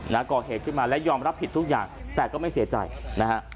นะก่อเหตุขึ้นมาและยอมรับผิดทุกอย่างแต่ก็ไม่เสียใจนะฮะ